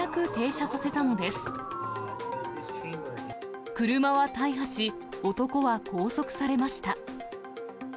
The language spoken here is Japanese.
車は大破し、男は拘束されました。